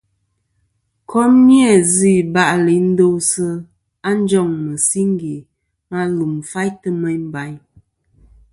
Kom ni-a zɨ̀ iba'lɨ i ndosɨ a njoŋ mɨsingè ma lum faytɨ meyn bayn.